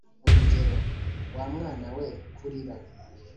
urugero: wa mwana we, kurikira